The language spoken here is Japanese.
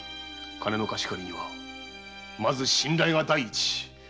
金の貸し借りにはまず信頼が第一。